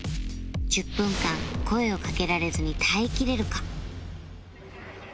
１０分間声をかけられずに耐え切れるか？